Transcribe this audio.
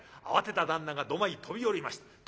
慌てた旦那が土間へ飛び降りました。